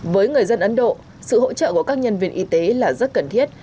với người dân ấn độ sự hỗ trợ của các nhân viên y tế là rất cần thiết